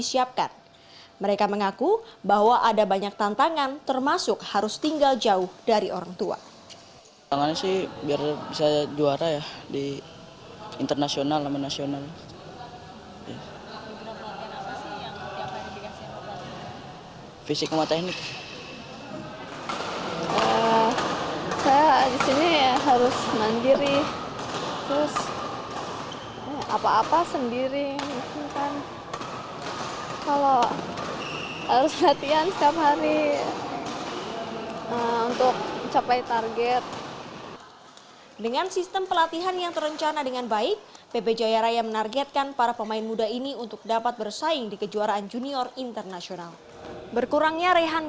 serta persoalan regenerasi pembalasan